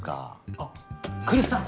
あっ来栖さん